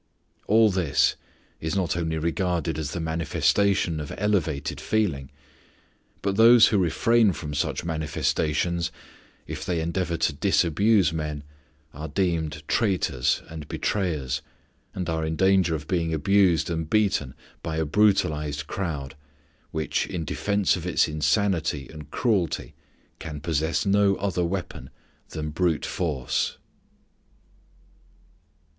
All this is not only regarded as the manifestation of elevated feeling, but those who refrain from such manifestations, if they endeavor to disabuse men, are deemed traitors and betrayers, and are in danger of being abused and beaten by a brutalized crowd which, in defence of its insanity and cruelty, can possess no other weapon than brute force.